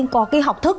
có cái học thức